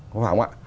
có phải không ạ